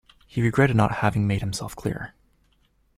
He regretted not having made himself clearer.